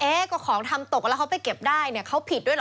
ก็ของทำตกแล้วเขาไปเก็บได้เนี่ยเขาผิดด้วยเหรอ